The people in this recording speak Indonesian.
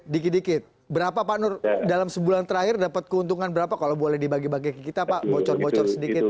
dikit dikit berapa pak nur dalam sebulan terakhir dapat keuntungan berapa kalau boleh dibagi bagi ke kita pak bocor bocor sedikit